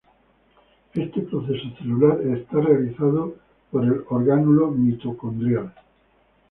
Este proceso celular es realizado por el orgánulo mitocondrial.